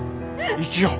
生きよう。